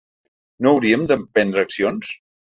No haurien d'emprendre accions?